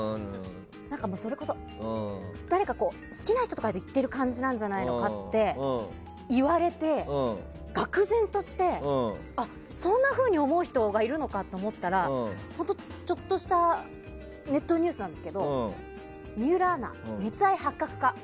それこそ、誰か好きな人と行っている感じじゃないかと言われて、がくぜんとしてそんなふうに思う人がいるのかと思ったら本当にちょっとしたネットニュースなんですけど水卜アナ、熱愛発覚か？